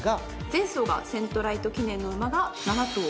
前走がセントライト記念の馬が７頭。